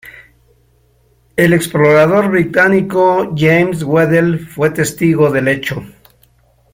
El explorador británico James Weddell fue testigo del hecho.